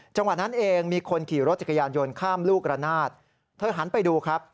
จังหวะนั้นเองมีคนขี่รถจักรยานยนต์ข้ามลูกระนาดเธอหันไปดูครับ